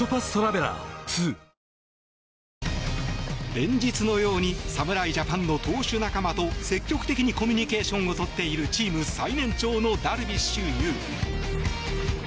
連日のように侍ジャパンの投手仲間と積極的にコミュニケーションをとっているチーム最年長のダルビッシュ有。